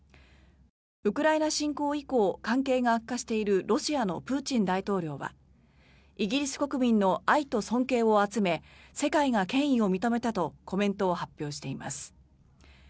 ウクライナ侵攻以降関係が悪化しているロシアのプーチン大統領はイギリス国民の愛と尊敬を集め世界が権威を認めたとコメントを発表しています。